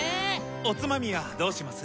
おつまみはどうします？